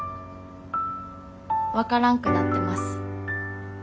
分からんくなってます。